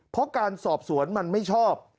เพราะการสอบสวนมันไม่ชอบ